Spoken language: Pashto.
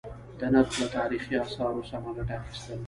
د نرخ له تاريخي آثارو سمه گټه اخيستل: